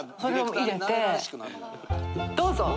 どうぞ。